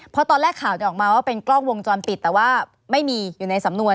เพราะตอนแรกข่าวจะออกมาว่าเป็นกล้องวงจรปิดแต่ว่าไม่มีอยู่ในสำนวน